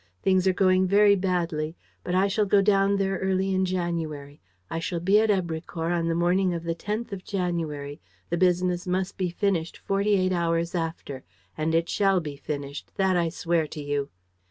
Things are going very badly. But I shall go down there early in January. I shall be at Èbrecourt on the morning of the tenth of January. The business must be finished forty eight hours after. And it shall be finished, that I swear to you."